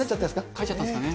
帰っちゃったんですかね。